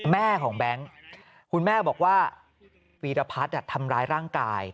แม่ของแบงค์คุณแม่บอกว่าวีรพัฒน์ทำร้ายร่างกาย